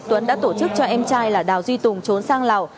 tuấn đã tổ chức cho em trai là đào duy tùng trốn sang lào